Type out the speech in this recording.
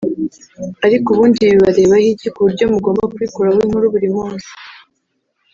Ariko ubundi ibi bibarebaho iki kuburyo mugomba kubikoraho inkuru buri munsi